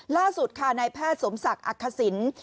ล่าสุดค่ะนายแพทย์สมศักดิ์อักษิณ